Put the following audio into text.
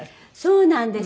そうなんです。